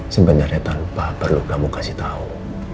sebenarnya tanpa perlu kamu kasih tahu